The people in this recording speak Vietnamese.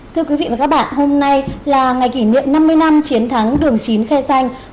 thưa quý vị và các bạn hôm nay là ngày kỷ niệm năm mươi năm chiến thắng đường chín khe xanh